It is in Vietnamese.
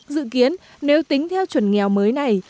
dự kiến nếu tính theo chuẩn nghèo mới này